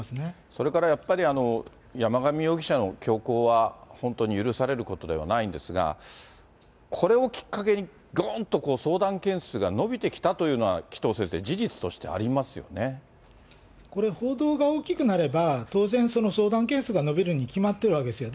それからやっぱり山上容疑者の凶行は本当に許されることではないんですが、これをきっかけに、どーんと相談件数が伸びてきたというのは、紀藤先生、事実としてこれ、報道が大きくなれば、当然、その相談件数が伸びるに決まってるわけですよ。